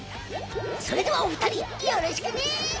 それではおふたりよろしくね！